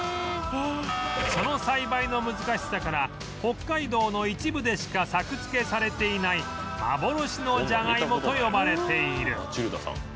その栽培の難しさから北海道の一部でしか作付けされていない幻のじゃがいもと呼ばれている